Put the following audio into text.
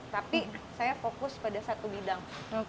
tapi saya fokus pada satu bidang